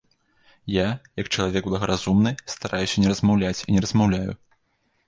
Я, як чалавек благаразумны, стараюся не размаўляць і не размаўляю.